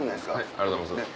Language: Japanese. ありがとうございます。